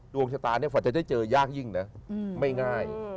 ดวงชะตาเนี่ยฝันจะได้เจอยากยิ่งนะไม่ง่าย